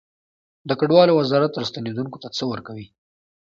د کډوالو وزارت راستنیدونکو ته څه ورکوي؟